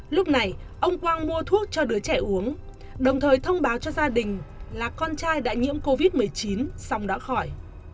lúc này ông quang mua thuốc cho đứa trẻ uống đồng thời thông báo cho gia đình là con trai đã nhiễm covid một mươi chín xong đã khỏi